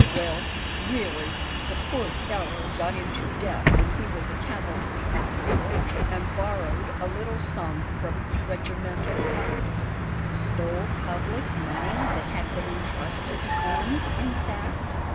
"Well, really the poor fellow got into debt when he was a cavalry officer, and borrowed a little sum from the regimental funds " "Stole public money that had been intrusted to him, in fact?"